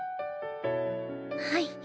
はい。